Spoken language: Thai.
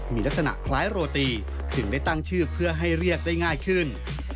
มีลักษณะคล้ายโรตีถึงได้ตั้งชื่อเพื่อให้เรียกได้ง่ายขึ้น